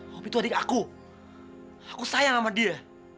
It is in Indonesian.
hopi tuh adik aku aku sayang sama dia